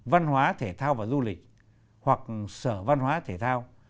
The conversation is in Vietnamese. văn hóa thể thao và du lịch hoặc sở văn hóa thể thao